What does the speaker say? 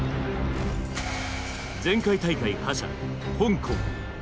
前回大会覇者香港。